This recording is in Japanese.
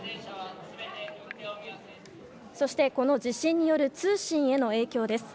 そして、この地震による通信への影響です。